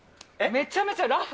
めちゃめちゃラフ。